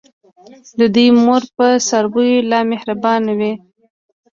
د دوی مور په څارویو لا مهربانه وي.